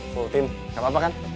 full team nggak apa apa kan